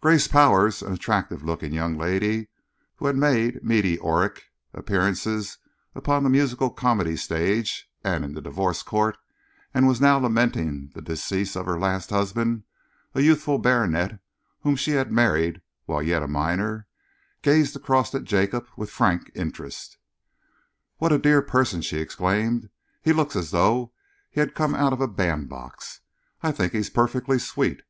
Grace Powers, an attractive looking young lady, who had made meteoric appearances upon the musical comedy stage and in the divorce court, and was now lamenting the decease of her last husband a youthful baronet whom she had married while yet a minor gazed across at Jacob with frank interest. "What a dear person!" she exclaimed. "He looks as though he had come out of a bandbox. I think he is perfectly sweet.